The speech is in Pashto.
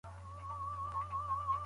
که موږ مېوې وخورو نو وجود به مو قوي وي.